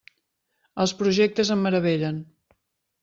Els projectes em meravellen.